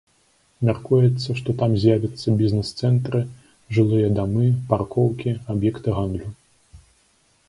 Мяркуецца, што там з'явяцца бізнес-цэнтры, жылыя дамы, паркоўкі, аб'екты гандлю.